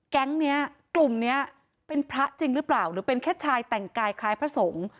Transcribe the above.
แก๊งนี้กลุ่มนี้เป็นพระจริงหรือเปล่าหรือเป็นแค่ชายแต่งกายคล้ายพระสงฆ์